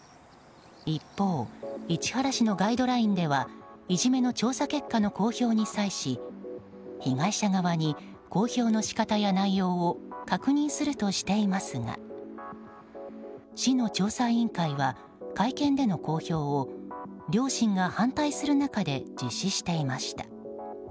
一方、市原市のガイドラインではいじめの調査結果の公表に際し被害者側に、公表の仕方や内容を確認するとしていますが市の調査委員会は会見での公表を両親が反対する中で実施していました。